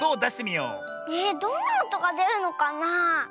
えどんなおとがでるのかなあ。